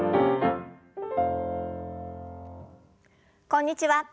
こんにちは。